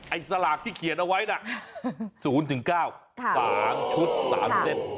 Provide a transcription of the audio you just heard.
สลากที่เขียนเอาไว้นะ๐๙๓ชุด๓เส้น